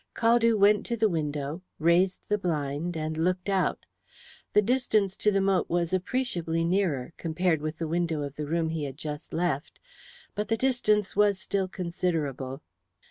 Caldew went to the window, raised the blind, and looked out. The distance to the moat was appreciably nearer, compared with the window of the room he had just left, but the distance was still considerable.